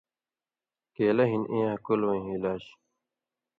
کیلہ ہِن اَین٘یاں کلہۡ وَیں علاج